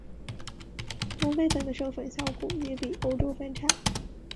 东非蜂的授粉效果也比欧洲蜂差。